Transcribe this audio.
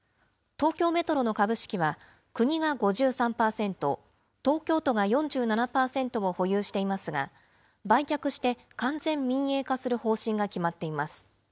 東京メトロの株式は、国が５３％、東京都が４７％を保有していますが、売却して完全民営化する方針が決まっています。